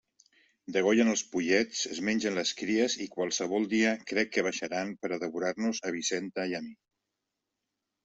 Degollen els pollets, es mengen les cries, i qualsevol dia crec que baixaran per a devorar-nos a Vicenta i a mi!